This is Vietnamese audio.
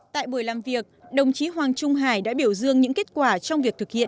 tại buổi làm việc đồng chí hoàng trung hải đã biểu dương những kết quả trong việc thực hiện